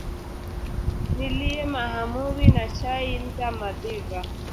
Nilie mahamuri na chai ndha madhiva